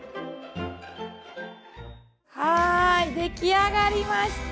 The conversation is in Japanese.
はい出来上がりました。